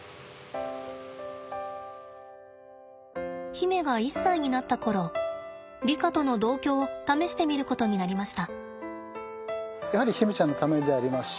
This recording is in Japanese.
媛が１歳になった頃リカとの同居を試してみることになりました。